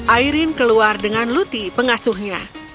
airin keluar dengan luti pengasuhnya